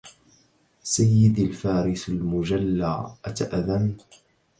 سيدي الفارس المجلى أتأذن